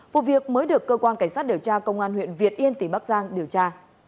vụ việc mới được cơ quan cảnh sát điều tra công an huyện việt yên tỉ bắc giang điều tra